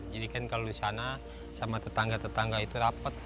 jadi kan kalau disana sama tetangga tetangga itu rapat